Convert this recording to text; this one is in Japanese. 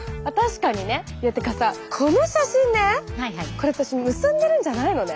これ私結んでるんじゃないのね。